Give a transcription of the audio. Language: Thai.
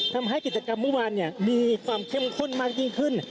ทำให้กิจกรรมเมื่อวานมีความเข้มข้นมากยิ่งขึ้น